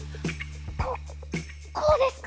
ここうですか？